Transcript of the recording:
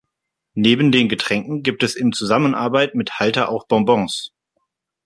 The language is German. Neben den Getränken gibt es in Zusammenarbeit mit Halter auch Bonbons.